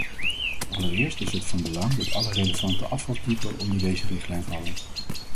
Allereerst is het van belang dat alle relevante afvaltypen onder deze richtlijn vallen.